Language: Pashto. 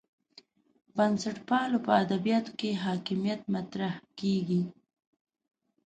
بنسټپالو په ادبیاتو کې حاکمیت مطرح کېږي.